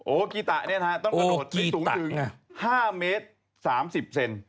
โอกีตะนี่แล้วก็ลงถึง๕เมตร๓๐เซน